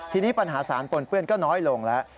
ทีนี้ปัญหาสารปนเปื้อนก็น้อยลงแล้ว